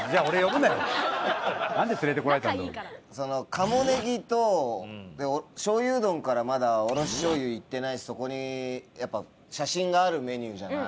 鴨ねぎと醤油うどんからまだおろし醤油いってないしそこにやっぱ写真があるメニューじゃない？